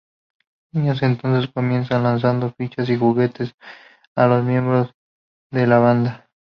Los niños entonces comienzan lanzando fichas y juguetes a los miembros de la banda.